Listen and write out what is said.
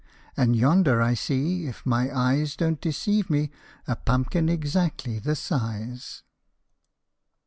And yonder I see, if my eyes Don't deceive me, a pumpkin exactly the size